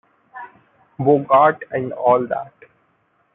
Bogart and all that.